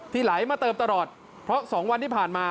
ไหลมาเติมตลอดเพราะ๒วันที่ผ่านมา